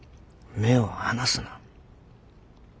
目を離すな。